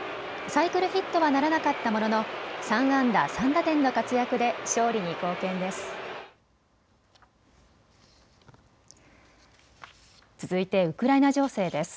サイクルヒットはならなかったものの３安打３打点の活躍で勝利に貢献です。